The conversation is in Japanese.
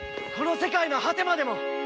この世界の果てまでも！